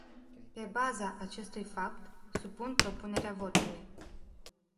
Pe baza acestui fapt, supun propunerea votului.